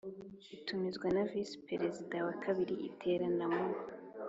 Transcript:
itumizwa na Visi Perezida wa kabiri Iterana mu